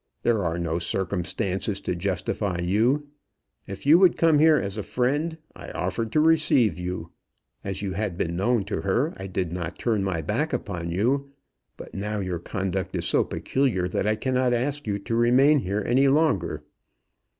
There are no circumstances to justify you. If you would come here as a friend, I offered to receive you. As you had been known to her, I did not turn my back upon you. But now your conduct is so peculiar that I cannot ask you to remain here any longer."